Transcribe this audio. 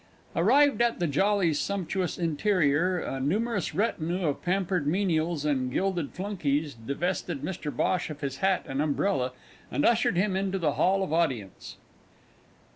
Arrived at the Jollies' sumptuous interior, a numerous retinue of pampered menials and gilded flunkies divested Mr Bhosh of his hat and umbrella and ushered him into the hall of audience.